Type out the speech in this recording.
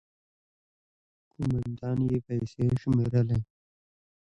، کومندان يې پيسې شمېرلې.